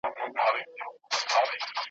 د پولادو په سینو کي `